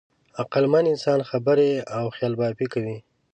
عقلمن انسان خبرې او خیالبافي کوي.